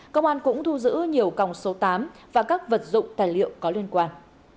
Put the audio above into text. công an cũng thu giữ nhiều còng số tám và các vật dụng tài liệu có liên quan